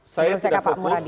saya tidak fokus